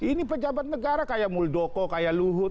ini pejabat negara kayak muldoko kayak luhut